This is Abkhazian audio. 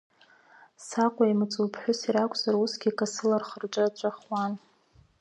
Саҟәеи амаҵуҩԥҳәыси ракәзар усгьы касыла рхаҿы рҵәахуан.